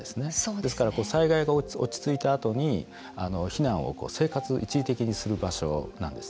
ですから災害が落ち着いたあとに避難を生活、一時的にする場所なんです。